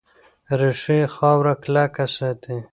ریښې خاوره کلکه ساتي.